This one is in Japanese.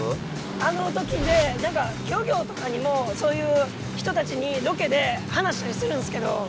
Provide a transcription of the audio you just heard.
あの時で漁業とかにもそういう人たちにロケで話したりするんですけど